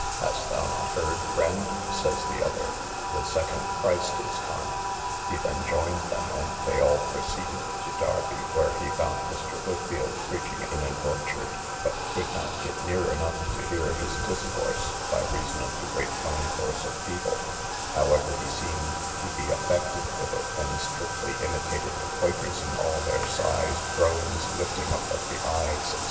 Hast thou not heard, friend, says the other, the second Christ is come? He then joined them, and they all proceeded to Derby, where he found Mr. Whitfield preaching in an orchard, but could not get near enough to hear his discourse, by reason of the great concourse of people; however, he seemed to be affected with it, and strictly imitated the quakers in all their sighs, groans, lifting up of the eyes, &c.